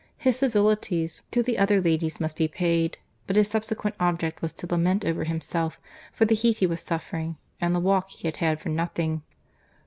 His civilities to the other ladies must be paid; but his subsequent object was to lament over himself for the heat he was suffering, and the walk he had had for nothing.